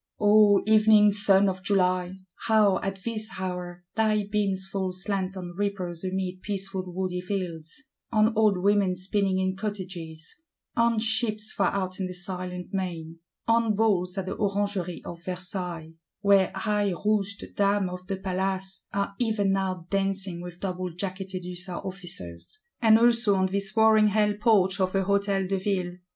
— O evening sun of July, how, at this hour, thy beams fall slant on reapers amid peaceful woody fields; on old women spinning in cottages; on ships far out in the silent main; on Balls at the Orangerie of Versailles, where high rouged Dames of the Palace are even now dancing with double jacketted Hussar Officers;—and also on this roaring Hell porch of a Hôtel de Ville!